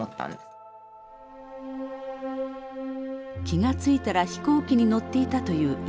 気が付いたら飛行機に乗っていたという犬養さん。